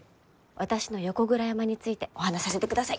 私の横倉山についてお話しさせてください！